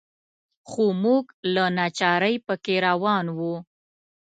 خو موږ له ناچارۍ په کې روان وو.